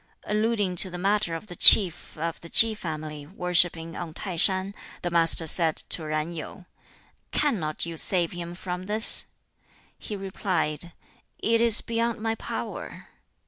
Alluding to the matter of the Chief of the Ki family worshipping on Tai shan, the Master said to Yen Yu, "Cannot you save him from this?" He replied, "It is beyond my power."